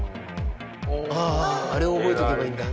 あああれを覚えておけばいいんだ。